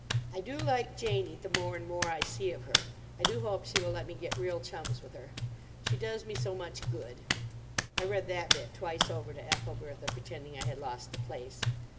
"I do like Janie the more and more I see of her. I do hope she will let me get real chums with her. She does me so much good. (I read that bit twice over to Ethelbertha, pretending I had lost the place.)